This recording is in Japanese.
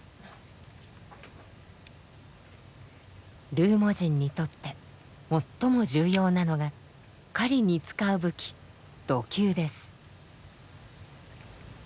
ルーモ人にとって最も重要なのが狩りに使う武器弩弓です。